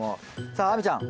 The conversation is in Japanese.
さあ亜美ちゃん